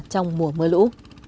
trong mùa mưa lũ